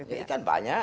iya ikan banyak